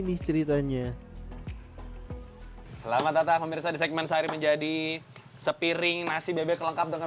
nih ceritanya selamat datang pemirsa di segmen sehari menjadi sepiring nasi bebek lengkap dengan